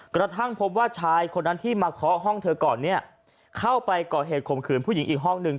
กระทั่งพบว่าชายคนนั้นที่มาเคาะห้องเธอก่อนเนี่ยเข้าไปก่อเหตุข่มขืนผู้หญิงอีกห้องหนึ่ง